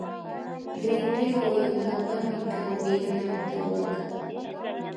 Rinrinwa uyankapak mikan uyana antawaka